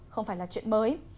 không phải là chuyện mới